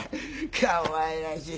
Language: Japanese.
かわいらしい。